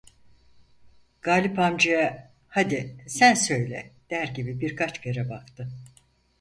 Galip amcaya "hadi, sen söyle!" der gibi birkaç kere baktı.